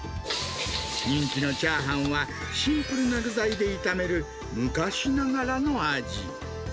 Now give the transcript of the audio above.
人気のチャーハンは、シンプルな具材で炒める昔ながらの味。